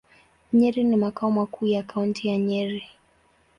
Nyeri ni makao makuu ya Kaunti ya Nyeri.